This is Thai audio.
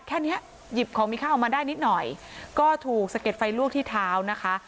แค่เนี้ยหยิบของมีข้าวออกมาได้นิดหน่อยก็ถูกสะเก็ดไฟลวกที่เท้านะคะ